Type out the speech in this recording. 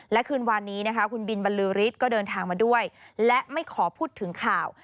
และคืนวานนี้นะคะคุณบินบรรลือฤทธิ์ก็เดินทางมาด้วยและไม่ขอพูดถึงข่าว